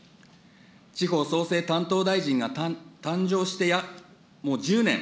地方創生担当大臣が誕生して、もう１０年。